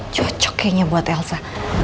cocok kayaknya buat elsa